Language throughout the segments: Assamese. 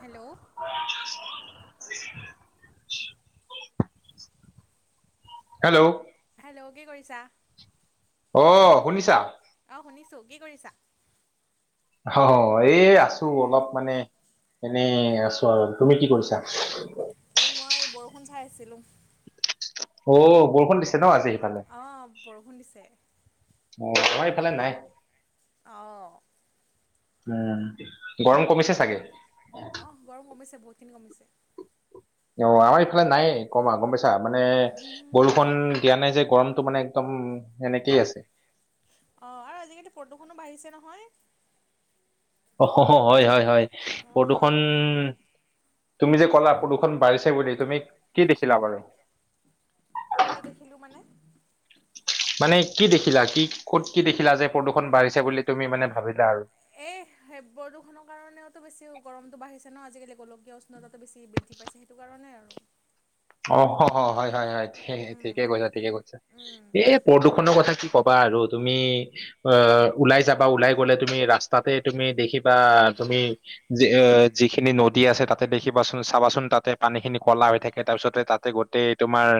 হেল্ল' [unintelligible] হেল্ল' হেল্ল' কি কৰিছা অ শুনিছা অঁ শুনিছোঁ কি কৰিছা অ এই আছো অলপ মানে এনে আছো আৰু তুমি কি কৰিছা এই মই বৰষুণ চাই আছিলোঁ। [unintelligible] অঁ! বৰষুণ দিছে ন আজি সেইফালে? [unintelligible] অঁ! বৰষুণ দিছে। [unintelligible] অঁ! আমাৰ এইফালে নাই। [unintelligible] অঁ! [unintelligible] উম! গৰম কমিছে চাগে? [unintelligible] অঁ! গৰম কমিছে বহুতখিনি কমিছে আমাৰ এইফালে নাই কমা গম পাইছা মানে বল [unintelligible] বৰষুণ দিয়া নাই যে গৰমটো মানে একদম এনেকেই আছে। [unintelligible] অঁ আৰু আজিকালি প্ৰদূষণো বাঢ়িছে নহয়। [unintelligible] অ, হয়-হয়-হয়। প্ৰদূষণ [unintelligible] তুমি যে ক'লা প্ৰদূষণ বাঢ়িছে বুলি তুমি কি দেখিলা বাৰু? [unintelligible] কি দেখিলো মানে? [inaudible] মানে কি দেখিলা, কি ক'ত কি দেখিলা যে প্ৰদূষণ বাঢ়িছে বুলি তুমি মানে ভাবিলা আৰু? [unintelligible] এই সেই প্ৰদূষণৰ কাৰণেওতো বেছি গৰমটো বাঢ়িছে ন আজিকালি গোলকীয় [unintelligible] উষ্ণতাটো বেছি বৃদ্ধি পাইছে সেইটো কাৰণে আৰু। [unintelligible] অ [unintelligible] হয়-হয়-হয়, ঠিক-ঠিকে কৈছা, ঠিকে কৈছা। [unintelligible] এ প্ৰদূষণৰ কথা কি কবা আৰু তুমি [inaudible] অ ওলাই যাবা, ওলাই গ'লে তুমি ৰাস্তাতে তুমি দেখিবা তুমি [unintelligible] [unintelligible] এ যিখিনি নদী আছে তাতে দেখিবাচোন চাবাচোন তাতে পানীখিনি ক'লা হৈ থাকে। তাৰ পিছতে তাতে গোটেই তোমাৰ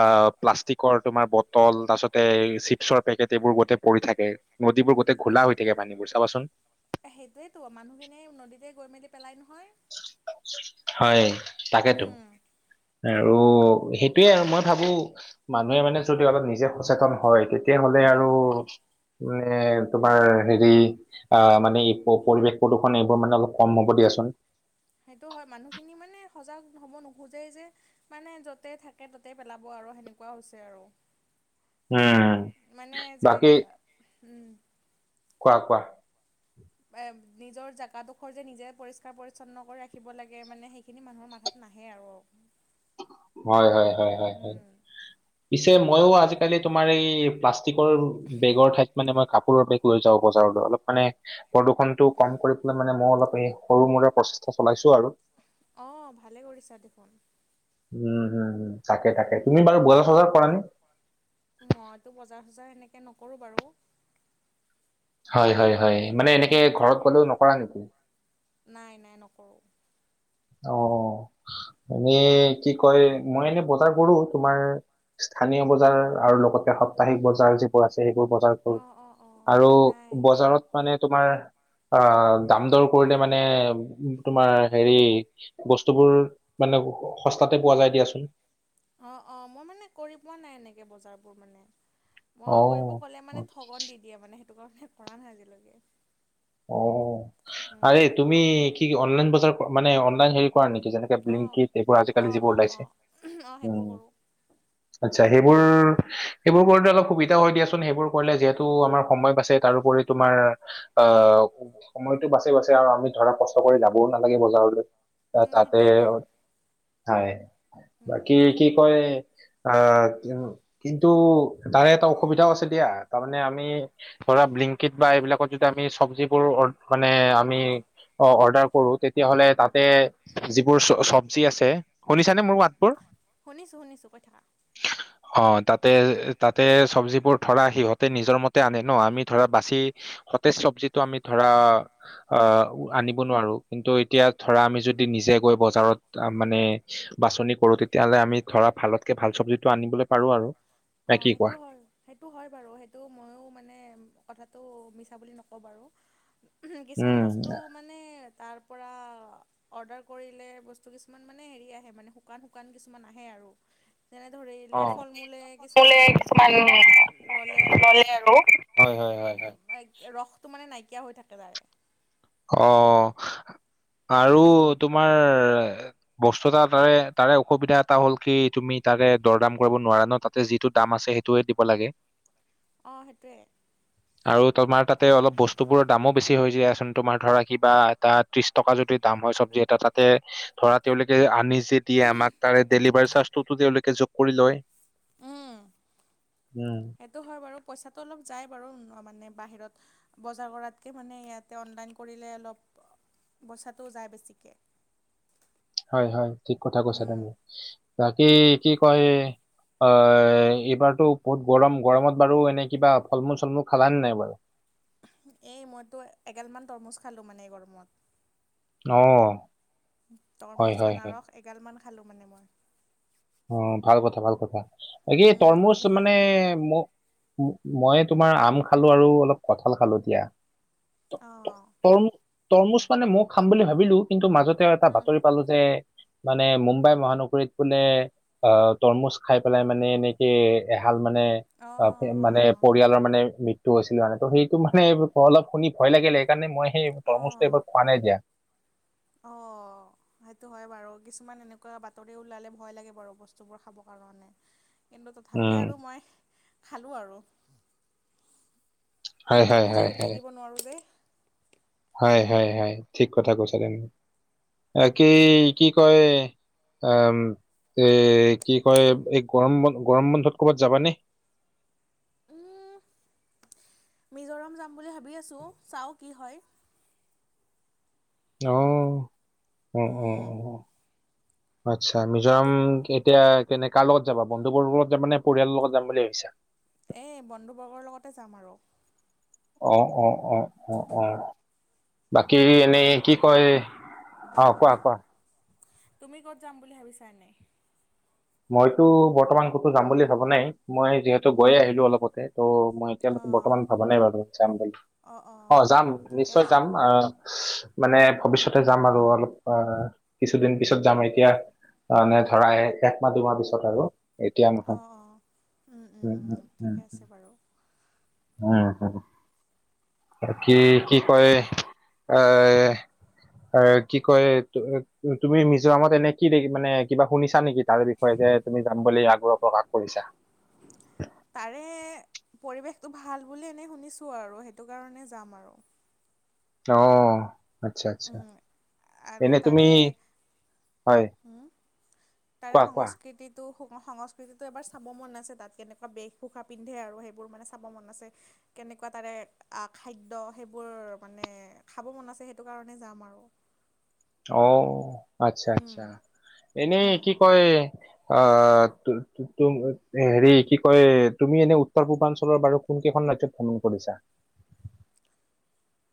অ প্লাষ্টিকৰ তোমাৰ বটল, তাৰপিছতে [unintelligible] [unintelligible] চিপছৰ পেকেট এইবোৰ গোটেই পৰি থাকে, নদীবোৰ গোটেই ঘোলা হৈ থাকে পানীবোৰ চাবা চোন? সেইটোৱেইেতো মানুহখিনি নদীতে গৈ মেলি পেলাই নহয়। [unintelligible] হয়, তাকেতো। উম [unintelligible] আৰু সেইটোৱেই আৰু মই ভাবোঁ [unintelligible] মানুহে মানে যদি অলপ নিজে সচেতন হয় তেতিয়াহলে উম। আৰু [inaudible] মানে তোমাৰ হেৰি [unintelligible] আহ মানে এই পৰিৱেশ প্ৰদূষণ এইবোৰ মানে অলপ কম হ'ব দিয়া চোন। [inaudible] সেইটো হয় মানুহখিনি মানে সজাগ হ'ব নোখোজেই যে। [unintelligible] মানে যতেই থাকে ততে পেলাব আৰু সেনেকুৱা হৈছে আৰু। [inaudible] উম। [unintelligible] মানে যে [unintelligible] উম! কোৱা-কোৱা? [unintelligible] এ নিজৰ জেগা ডোখৰ যে নিজে পৰিষ্কাৰ-পৰিচ্ছন্ন কৰি ৰাখিব লাগে মানে সেইখিনি মানুহৰ মাথাত [unintelligible] নাহে আৰু। [unintelligible] হয়-হয়-হয়-হয়। উম, পিছে মইও আজিকালি তোমাৰ এই প্লাছ [inaudible] যি কৰোঁ বেগৰ ঠাইত মানে মই কাপোৰৰ বেগ লৈ যাওঁ বজাৰলৈ অলপ মানে [unintelligible] প্ৰদূষণটো কম কৰি পেলাই মানে মই অলপ সৰু মূৰে প্ৰচেষ্টা চলাইছো আৰু। [unintelligible] অঁ! ভালে কৰিছা দেখোন। [inaudible] উম! হুম-হুম, তাকে-তাকে। উম, তুমি বাৰু বজাৰ-চজাৰ কৰা নে? [unintelligible] মইতো বজাৰ-চজাৰ এনেকে নকৰোঁ বাৰু। [unintelligible] হয়-হয়-হয়। মানে উম, এনেকে ঘৰত গলেও নকৰা নেকি? [inaudible] নাই-নাই, নকৰোঁ। [inaudible] অঁ! এনেই কি কয় মই এনে বজাৰ কৰোঁ তোমাৰ। [inaudible] স্থানীয় বজাৰ আৰু লগতে সাপ্তাহিক বজাৰ যি [unintelligible] যিবোৰ আছে সেইবোৰ বজাৰ কৰোঁ অঁ অঁ অঁ আৰু নাই বজাৰত মানে তোমাৰ [unintelligible] অ দাম-দৰ কৰিলে মানে তোমাৰ হেৰি বস্তুবোৰ মানে সস্তাতে পোৱা যায় দিয়াচোন অ অ মই মানে কৰি পোৱা নাই এনেকে বজাৰবোৰ মানে মই কৰিব অ', ক'লে মানে ঠগন দি দিয়ে মানে সেইটো কাৰণে কৰা নাই আজিলৈকে অ আৰে তুমি কি অনলাইন বজাৰ মানে অনলাইন হেৰি কৰা নেকি যেনে অঁ ব্লিংকিত এইবোৰ আজিকালি অঁ যিবোৰ অঁ ওলাইছে অঁ অঁ উম সেইবোৰ কৰোঁ আচ্ছা সেইবোৰ সেইবোৰ কৰোতে অলপ সুবিধা হয় দিয়াচোন সেইবোৰ কৰিলে যিহেতু আমাৰ সময় বাছে তাৰওপৰি তোমাৰ আহ সময়টো বাছে বাছেই আৰু আমি ধৰা কষ্ট কৰি যাবও নালাগে বজাৰলৈ তই তাতে সেইটোৱেতো। হয় বাকী কি কয় আহ কিন্তু তাৰে এটা অসুবিধাও আছে দিয়া তাৰমানে আমি ধৰা ব্লিংকট বা এইবিলাকত যদি আমি চব যিবোৰ মানে আমি অ অৰ্ডাৰ কৰো তেতিয়াহ'লে তাতে যিবোৰ চ চবজি আছে শুনিছানে মোৰ মাতবোৰ শুনিছোঁ শুনিছোঁ কৈ থাকা [unintelligible] অ তাতে তাতে চবজিবোৰ ধৰা সিহঁতে নিজৰ মতে আনে ন আমি ধৰা বাচি সতেজ চবজিটো আমি ধৰা আহ আনিব নোৱাৰো কিন্তু এতিয়া ধৰা আমি যদি নিজে গৈ বজাৰত মানে বাছনি কৰো তেতিয়াহলে আমি ধৰা ভালতকে ভাল চবজিটো আনিবলৈ পাৰো আৰু অ নে কি কোৱা সেইটো হ'য় সেইটো হয় বাৰু সেইটো ময়ো মানে কথাটো মিছা বুলি নকওঁ বাৰু কিছুমান উম বস্তু মানে তাৰ পৰা অৰ্ডাৰ কৰিলে বস্তু কিছুমান মানে হেৰি আহে মানে শুকান শুকান কিছুমান আহে আৰু যেনে ধৰি ল অ'। ফল-মূলে কিছু কিছুমান ল'লে আৰু হয় হয় হয় হয় ৰসটো মানে নাইকিয়া হৈ থাকে যাই অ আৰু তোমাৰ বস্তু এটা তাৰে তাৰে অসুবিধা এটা হ'ল কি তুমি তাৰে দৰদাম কৰিব নোৱাৰা ন তাত যিটো দাম আছে সেইটোৱে দিব লাগে অ সেইটোৱে আৰু তোমাৰ তাতে অলপ বস্তু বোৰৰ দামো বেছি হৈ যায়চোন তোমাৰ ধৰা কিবা এটা ত্ৰিশ টকা যদি দাম হয় চবজি এটা তাতে ধৰা তেওঁলোকে আনি যে দিয়ে আমাক তাৰে ডেলিভাৰী চাৰ্জটোতো তেওঁলোকে যোগ কৰি লয় উম উম সেইটো হয় বাৰু পইচাটো অলপ যায় বাৰু মানে বাহিৰত বজাৰ কৰাতকে মানে ইয়াতে অনলাইন কৰিলে অলপ পইচাটো যায় বেছিকে হয় হয় ঠিক কথা কৈছা তুমি বাকী কি কয় অ এইবাৰতো বহুত গৰম গৰমত বাৰু এনে কিবা ফল-মূল চলমূল খালানে নাই বাৰু এই মইতো এগালমান তৰমুজ খালোঁ মানে এই গৰমত অ হয় তৰমুজ হয় হয়। আনাৰস এগালমান খালোঁ মানে মই অ ভাল কথা ভাল কথা একে উম তৰমুজ তুমি খালা মানে নাই ম মই তোমাৰ আম খালো আৰু অলপ কঁঠাল খালো দিয়া ত অঁ তৰমুজ মানে মই খাম বুলি ভাবিলো কিন্তু মাজতে এটা উম বাতৰি পালো। যে মানে মুম্বাই মহানগৰীত বোলে অ', তৰমুজ খাই পেলাই মানে এনেকে এহাল মানে অঁ অ', মানে অঁ পৰিয়ালৰ মানে টো হৈছিলে আৰু মানে ত' সেইটো মানে অলপ শুনি ভয় লাগিলে সেইকাৰণে মই সেই তৰমুজটো এবাৰ খোৱা নাই দিয়া। অ'। সেইটো হয় বাৰু কিছুমান এনেকুৱা বাতৰি ওলালে ভয় লাগে বাৰু বস্তুবোৰ খাবৰ কাৰণে। কিন্তু তথাপি উম আৰু মই খালোঁ আৰু। হয় উম, হয় তৰমুজ হয় দেখিলে হয় থাকিব নোৱাৰো যে। হয়, হয়, ঠিক কথা তুমি। বাকি কি কয় অম' এ কি কয় এই গৰম বন্ধ গৰম বন্ধত ক'বাত যাবানে? উম, মিজোৰাম যাম বুলি ভাবি আছো চাওঁ কি হয়। অহ অ', উম, অ' অ'। আচ্ছা তো মিজোৰাম এতিয়া কেনে কাৰ লগত যাবা বন্ধুবৰ্গৰ লগত যাবা নে পৰিয়ালৰ লগত যাম বুলি ভাবিছা? এই বন্ধুবৰ্গৰ লগতে যাম আৰু। অ', অ', অ', অ', অ', বাকী এই তুম কি কয় অ' কোৱা কোৱা। তুমি ক'ত যাম বুলি ভাবিছা এনে? মইতো বৰ্তমান ক'তো যাম বুলি ভাবা নাই, মই যিহেতু গৈয়ে আহিলো অলপতে। ত' মই এতিয়ালৈকে অঁ বৰ্তমান ভবা নাই বাৰু যাম বুলি। অঁ অ' অঁ যাম ঠিকে নিশ্চয় আছে যাম আ মানে ভৱিষ্যতে যাম আৰু অলপ আহ কিছুদিন পিছত যাম এতিয়া মানে ধৰা একমাহ দুমাহ পিছত আৰু। এতিয়া অঁ নহয়, অঁ উম, উম, উম, উম। উম [unintelligible] বাকি কি কয় আহ অ', কি কয় তুমি মিজোৰামত এনে কি মানে কিবা শুনিছা নেকি তাৰ বিষ হয়, যে তুমি যাম বুলি আগ্ৰহ প্ৰকাশ কৰিছা? তাৰে পৰিৱেশটো ভাল বুলি এনেই শুনিছোঁ আৰু সেইটো কাৰণে যাম আৰু। অহ। আচ্ছা আচ্ছা, উম আৰু এনে তুমি তাৰে হয়। উম তাৰে কোৱা কোৱা সংস্কৃতিত তো সংস্কৃতিটো এবাৰ চাব মন আছে তাত কেনেকুৱা বেশ ভোষা পিন্ধে আৰু সেইবোৰ মানে চাব মন আছে। কেনেকুৱা তাৰে খাদ্য সেইবোৰ মানে খাব মন আছে সেইটো কাৰণে যাম আৰু। অ', আচ্ছা উম আচ্ছা, এনেই উম কি কয় অ', তু-তু-তু হেৰি কি কয় তুমি এনে উত্তৰ পূৰ্বাঞ্চলৰ বাৰু কোন কেইখন ৰাজ্যত ভ্ৰমণ কৰিছা?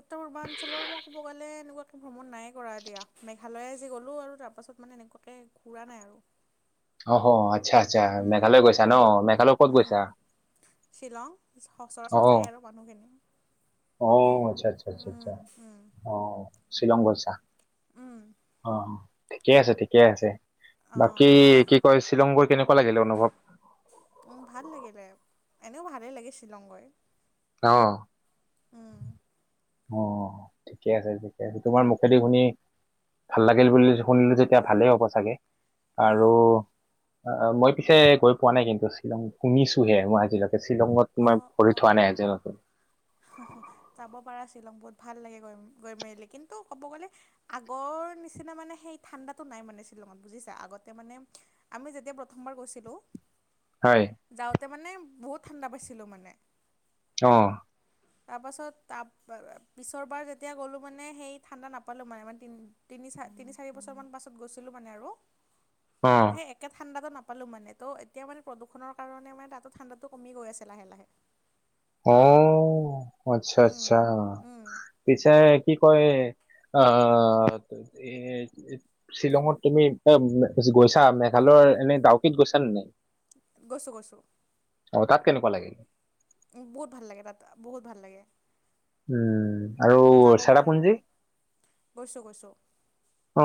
উত্তৰ পূৰ্বাঞ্চলৰ মই ক'ব গ'লে এনেকুৱা ভ্ৰমণ নাই কৰা দিয়া। মেঘালয়ে যি গ'লো আৰু তাৰ পাছত মানে এনেকুৱাকে ঘুৰা নাই আৰু। অহ। আচ্ছা আচ্ছা উম, মেঘালয় গৈছা ন? উম, মেঘালয় ক'ত উম, গৈছা অ'। মানুহ কেনে অ', আচ্ছা আচ্ছা আচ্ছা আচ্ছা উম, অ' শ্বিলংগ গৈছা। উম, অ', ঠিকেই আছে ঠিকে আছে। বাকী অ', কি কয় শ্বিলংবোৰ কেনেকুৱা লাগিলে অনুভৱ? উম, ভাল লাগিলে এনেও ভালে লাগে শ্বিলং গৈ। অ উম অ ঠিকে আছে ঠিকে আছে তোমাৰ মুখেদি শুনি ভাল লাগিল বুলি শুনিলো যেতিয়া ভালেই হ'ব চাগে আৰু অ', অ মই পিছে গৈ পোৱা নাই কিন্তু শ্বিলং শুনিছোঁহে মই আজিলৈকে শ্বিলঙত তোমাৰ অ', ভৰি অ', থোৱা নাই অ'। আজিলৈকে যাব পাৰা শ্বিলং বহুত ভাল লাগে গৈ গৈ মেলিলে কিন্তু ক'ব গ'লে আগৰ নিচিনা মানে সেই ঠাণ্ডাতটো নাই মানে শ্বিলঙত বুজিছা আগতে মানে আমি যেতিয়া প্ৰথমবাৰ গৈছিলো হয় যাওঁতে মানে বহুত ঠাণ্ডা পাইছিলোঁ মানে অ তাৰপাছত ত পিছৰবাৰ যেতিয়া গ'লোঁ মানে সেই ঠাণ্ডা নাপালোঁ মানে মানে তিনি তিনি চাৰি তিনি চাৰিবছৰমান পাছত গৈছিলোঁ মানে আৰু অ সেই একে ঠাণ্ডাটো নাপালো মানে ত' এতিয়া মানে প্ৰদূষণৰ কাৰনে মানে তাতো ঠাণ্ডাটো টোকমি গৈ আছে লাহে লাহে অ আচ্ছা উম আচ্ছা উম পিছে কি কয় আহ এ শ্বিলঙত তুমি এ গৈছা মেঘালয়ৰ এনে ডাউকিত গৈছা নে নাই গৈছোঁ গৈছোঁ অ তাত কেনেকুৱা লাগে বহুত ভাল লাগে তাত বহুত ভাল লাগে উম আৰু যাব পাৰা চেৰাপুঞ্জী গৈছোঁ গৈছোঁ অ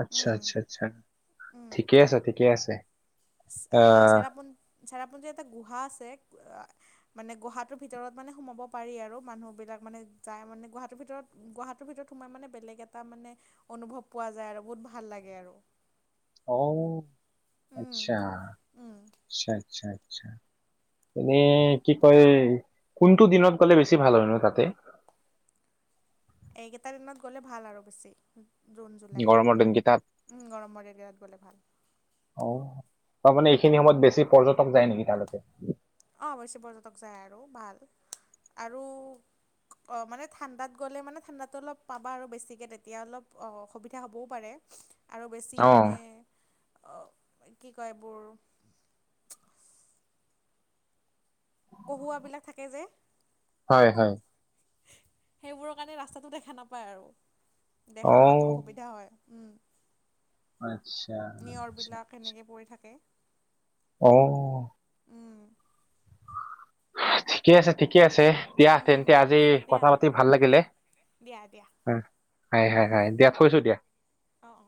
আচ্ছা উম, আচ্ছা আচ্ছা উম। ঠিকে আছে ঠিকে আছে আহ চেৰাপঞ্ চেৰাপঞ্জীৰ এটা গুহা আছে মানে গুহাটোৰ ভিতৰত মানে সোমাব পাৰি আৰু মানুহ বিলাক মানে যাই মানে গুহাটোৰ ভিতৰত গুৱাহাটীৰৰ ভিতৰত সোমাই মানে বেলেগ এটা মানে অনুভৱ পোৱা যায় আৰু বহুত ভাল লাগে আৰু অ উম আচ্ছা উম আচ্ছা আচ্ছা আচ্ছা এনেই কি কয় কোনটো দিনত গ'লে বেছি ভাল হয় ন তাতে এইকেইটা দিনত গ'লে ভাল আৰু বেছি জুন জুলাই গৰমৰ দিনকেইটাত? গৰমৰ দিনকেইটাত গ'লে ভাল অ তাৰমানে এইখিনি সময়ত বেছি পৰ্যটক যায় নেকি তাতে অঁ অৱশ্যে পৰ্যটক যায় আৰু ভাল আৰু অ মানে ঠাণ্ডাত গ'লে মানে ঠাণ্ডাতটো অলপ পাবা আৰু বেছিকে তেতিয়া অলপ অ সুবিধা হ'বও পাৰে আৰু বেছি অ মানে অ কি কয় এইবোৰ কঁহুৱা বিলাক থাকে যে হয় হয় সেইবোৰৰ কাৰণে ৰাস্তাটো দেখা নাপায় আৰু অ দেখা পোৱাত অসুবিধা হয় উম আচ্ছা আচ্ছা কেনেকে পৰি থাকে অ উম ঠিকে আছে ঠিকে আছে দিয়া তেন্তে আজি উম দিয়া কথা পাতি ভাল লাগিলে দিয়া দিয়া অঁ, হয় হয় হয় দিয়া থৈছো দিয়া। অঁ অঁ